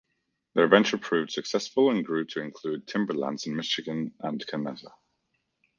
Their venture proved successful and grew to include timber lands in Michigan and Canada.